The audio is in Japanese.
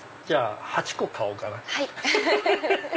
じゃあ８個買おうかな。